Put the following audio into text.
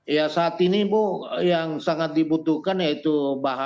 ya saat ini bu yang sangat dibutuhkan yaitu bahan